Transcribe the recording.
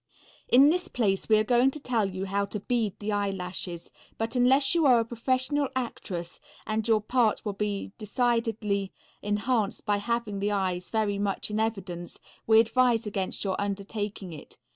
In this place we are going to tell you how to bead the eyelashes, but unless you are a professional actress and your part will be decidedly enhanced by having the eyes very much in evidence, we advise against your undertaking it.